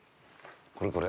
これこれ！